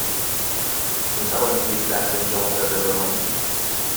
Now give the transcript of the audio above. می توانید یک لحظه اینجا منتظر بمانید؟